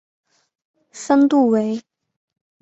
深度为。